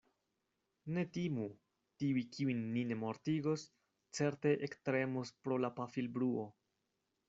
Ne timu! Tiuj, kiujn ni ne mortigos, certe ektremos pro la pafilbruo.